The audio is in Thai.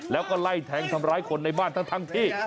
แล้วก็ไล่แทงทำร้ายคนในบ้านทั้งที่